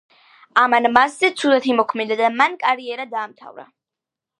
ამან მასზე ცუდად იმოქმედა და მან კარიერა დაამთავრა.